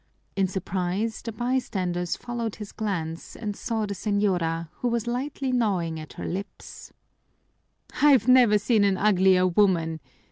In surprise the bystanders followed his glance and saw the señora, who was lightly gnawing at her lips. "I've never seen an uglier woman!"